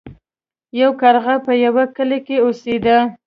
یو کارغه په یوه کلي کې اوسیده.